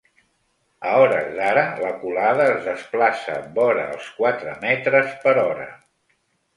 A hores d’ara la colada es desplaça vora els quatre metres per hora.